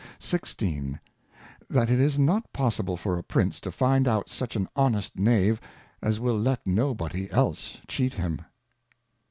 16. That it is not possible for a Prince to find out such an Honest Knave, as will let no body else Cheat him.